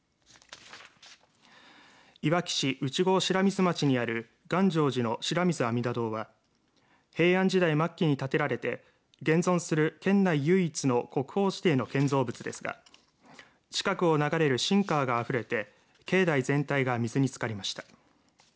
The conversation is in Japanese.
いわき市内郷白水町にある願成寺の白水阿弥陀堂は平安時代末期に建てられて現存する県内唯一の国宝指定の建造物ですが近くを流れる新川があふれて境内全体が水につかりました。